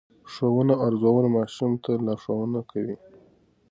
ښوونه او روزنه ماشوم ته لارښوونه کوي.